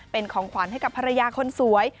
เป็นของขวัญให้กับภรรยาคนสวย